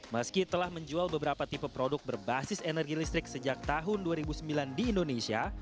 meski telah menjual beberapa tipe produk berbasis energi listrik sejak tahun dua ribu sembilan di indonesia